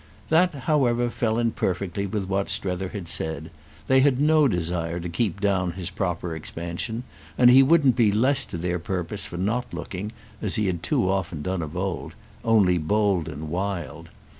That however fell in perfectly with what Strether had said. They had no desire to keep down his proper expansion, and he wouldn't be less to their purpose for not looking, as he had too often done of old, only bold and wild.